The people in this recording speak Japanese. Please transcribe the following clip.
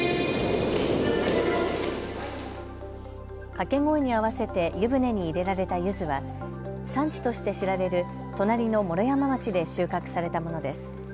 掛け声に合わせて湯船に入れられたゆずは産地として知られる隣の毛呂山町で収穫されたものです。